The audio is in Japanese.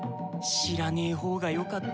知らねぇ方がよかった。